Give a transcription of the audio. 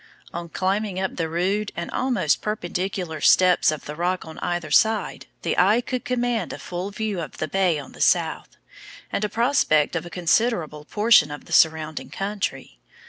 On climbing up the rude and almost perpendicular steps of the rock on either side, the eye could command a full view of the bay on the south, and a prospect of a considerable portion of the surrounding country.